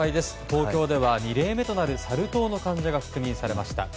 東京では２例目となるサル痘の患者が確認されました。